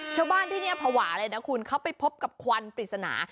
ชาวบ้านที่นี่ภาวะเลยนะคุณเขาไปพบกับควันปริศนา